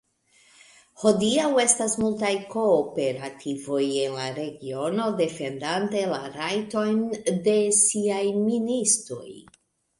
Hodiaŭ estas multaj kooperativoj en la regiono defendante la rajtojn de siaj ministoj.